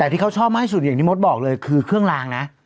แต่ที่เขาชอบมากที่สุดอย่างที่มดบอกเลยคือเครื่องลางนะ